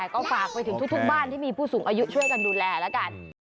ก็ฝากไปถึงทุกบ้านที่มีผู้สูงอายุช่วยกันดูแลแล้วกัน